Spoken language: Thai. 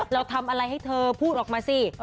เราทำอะไรให้เธอพูดออกมาสิ